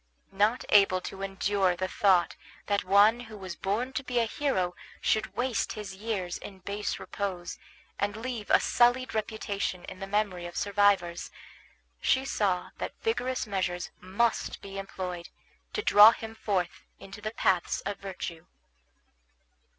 Not able to endure the thought that one who was born to be a hero should waste his years in base repose, and leave a sullied reputation in the memory of survivors, she saw that vigorous measures must be employed to draw him forth into the paths of virtue.